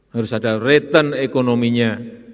harus ada return ekonominya